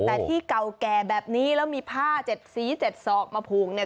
แต่ที่เก่าแก่แบบนี้แล้วมีผ้าเจ็ดสี๗ศอกมาผูกเนี่ย